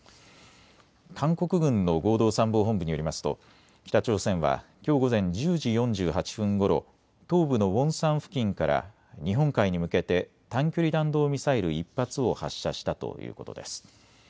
韓国軍の合同参謀本部によりますと北朝鮮はきょう午前１０時４８分ごろ東部のウォンサン付近から日本海に向けて短距離弾道ミサイル１発を発射したということです。